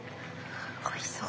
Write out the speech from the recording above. おいしそう。